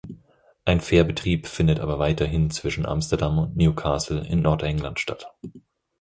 Ein Fährbetrieb findet aber weiterhin zwischen Amsterdam und Newcastle in Nordengland statt.